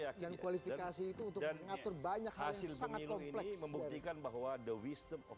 yakin dan kualifikasi itu dan mengatur banyak hasil memiliki membuktikan bahwa the wisdom of